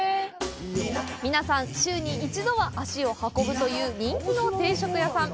皆さん週に１度は足を運ぶという人気の定食屋さん。